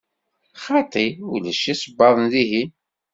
Xaṭi, ulac isebbaḍen dihin.